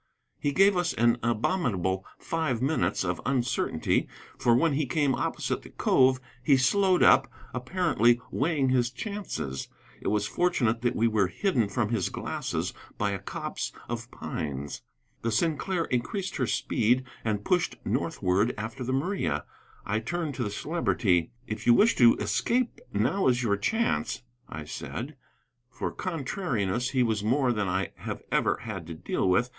He gave us an abominable five minutes of uncertainty. For when he came opposite the cove he slowed up, apparently weighing his chances. It was fortunate that we were hidden from his glasses by a copse of pines. The Sinclair increased her speed and pushed northward after the Maria. I turned to the Celebrity. "If you wish to escape, now is your chance," I said. For contrariness he was more than I have ever had to deal with.